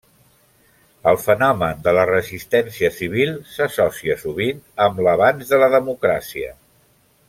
El fenomen de la resistència civil s'associa sovint amb l'avanç de la democràcia.